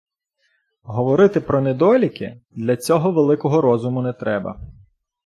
Говорити про недоліки — для цього великого розуму не треба.